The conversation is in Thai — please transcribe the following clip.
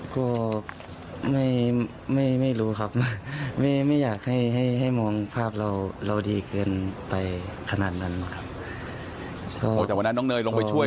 ก็ไม่รู้ครับไม่ไม่อยากให้ให้มองภาพเราเราดีเกินไปขนาดนั้นครับออกจากวันนั้นน้องเนยลงไปช่วย